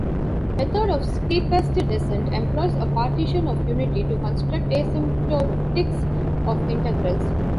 Method of steepest descent employs a partition of unity to construct asymptotics of integrals.